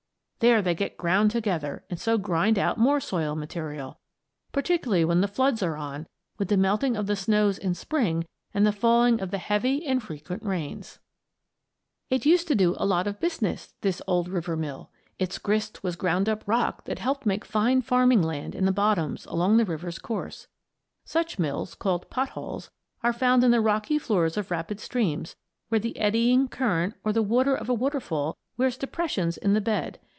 There they get ground together and so grind out more soil material, particularly when the floods are on, with the melting of the snows in spring and the falling of the heavy and frequent rains. [Illustration: AN OLD RIVER MILL It used to do a lot of business this old river mill. Its grist was ground up rock that helped make fine farming land in the bottoms along the river's course. Such mills, called "pot holes," are found in the rocky floors of rapid streams, where the eddying current or the water of a waterfall wears depressions in the bed.